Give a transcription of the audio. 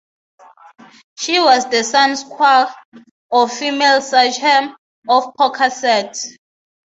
She was the "sunksqua", or female sachem, of Pocasset.